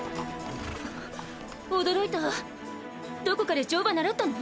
驚いたわどこかで乗馬習ったの？